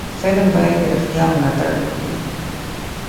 فلم باید د رښتیاو ملاتړ وکړي